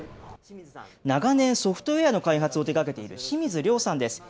長年、ソフトウエアの開発を手がけている清水亮さんです。